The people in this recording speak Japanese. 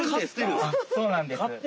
あっそうなんです。